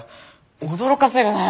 驚かせるなよ！